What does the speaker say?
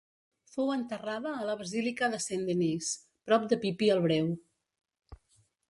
Fou enterrada a la basílica de Saint-Denis, prop de Pipí el Breu.